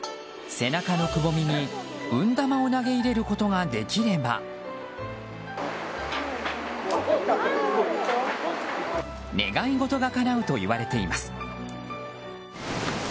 背中のくぼみに運玉を投げいれることができれば願い事がかなうといわれています。